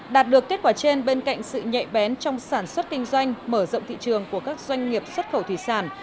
đạt được kết quả trên bên cạnh sự nhạy bén trong sản xuất kinh doanh mở rộng thị trường của các doanh nghiệp xuất khẩu thủy sản